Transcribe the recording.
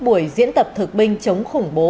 buổi diễn tập thực binh chống khủng bố